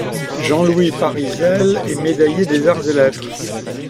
Jean-Louis Pariselle est médaillé des Arts et Lettres.